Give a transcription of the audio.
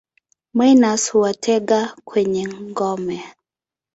Minus huwatega kwenye ngome.